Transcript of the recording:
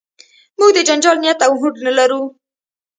موږ د جنجال نیت او هوډ نه لرو.